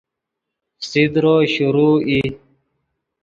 فسیدرو شروع ای